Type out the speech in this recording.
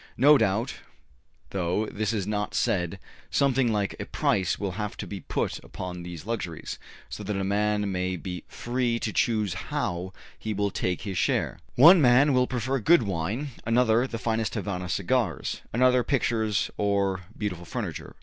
No doubt, though this is not said, something like a price will have to be put upon these luxuries, so that a man may be free to choose how he will take his share: one man will prefer good wine, another the finest Havana cigars, another pictures or beautiful furniture.